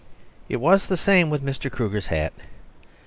It was the same with Mr. Kruger's hat.